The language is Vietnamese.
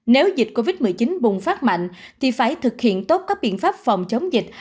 nếu dịch covid một mươi chín bùng phát mạnh thì phải thực hiện tốt các biện pháp phòng chống dịch